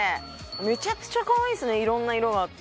めちゃくちゃかわいいですねいろんな色があって。